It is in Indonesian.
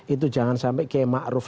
itu jangan sampai kayak ma'ruf